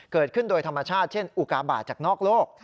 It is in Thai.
เกิดขึ้นโดยธรรมชาติเช่นอุกาบาทจากนอกโลก